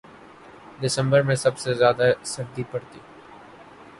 دسمبر میں سب سے زیادہ سردی پڑتی